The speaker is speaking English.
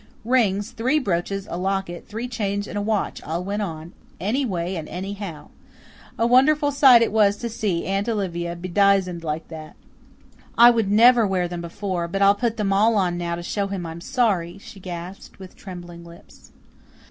Rings, three brooches, a locket, three chains and a watch all went on anyway and anyhow. A wonderful sight it was to see Aunt Olivia bedizened like that! "I would never wear them before but I'll put them all on now to show him I'm sorry," she gasped, with trembling lips.